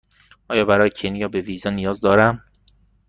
آیا برای کنیا به ویزا نیاز دارم؟